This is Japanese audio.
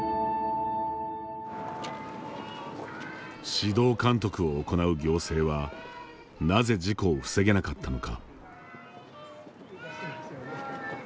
指導監督を行う行政はなぜ事故を防げなかったのか。